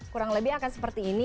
kurang lebih akan seperti ini